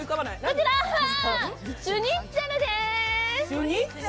こちらシュニッツェルです。